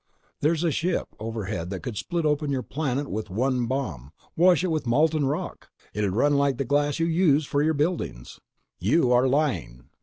There's a ship overhead that could split open your planet with one bomb—wash it with molten rock. It'd run like the glass you use for your buildings." "You are lying!"